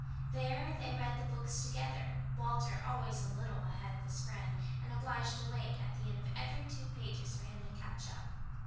There they read the books together, Walter always a little ahead of his friend, and obliged to wait at the end of every two pages for him to catch up.